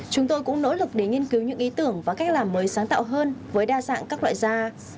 chúng tôi cũng nỗ lực để nghiên cứu những ý tưởng và cách làm mới sáng tạo hơn với đa dạng các loại da